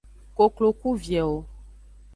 Koklo ku viewo.